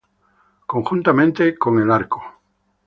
Conjuntamente con el Arq.